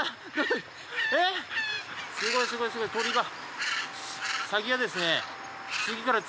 すごいすごいすごい！鳥が。